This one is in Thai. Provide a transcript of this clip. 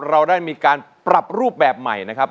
เราได้มีการปรับรูปแบบใหม่นะครับ